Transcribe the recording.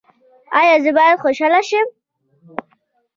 ایا زه باید خوشحاله شم؟